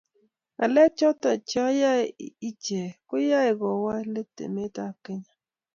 ngalek choto cheyae iche koyae kowaa let emetab kenya